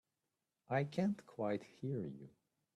I can't quite hear you.